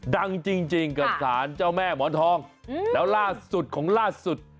ดังจริงกับสารเจ้าแม่หมอนทองแล้วล่าสุดของล่าสุด